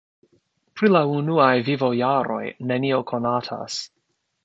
Pri la unuaj vivojaroj nenio konatas.